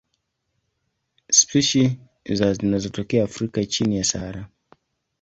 Spishi za zinatokea Afrika chini ya Sahara.